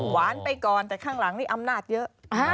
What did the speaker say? หวานไปก่อนแต่ข้างหลังนี่อำนาจเยอะ